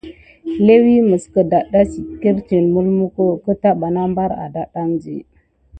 Léwi məs kədaɗɗa sit kirtine mulmuko keta bana bar adaɗɗaŋ di.